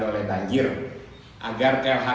dan menerima penyelamatkan dan menerima penyelamatkan